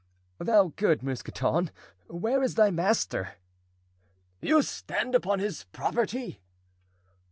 "Thou good Mousqueton! where is thy master?" "You stand upon his property!"